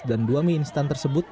dan dua mie instan tersebut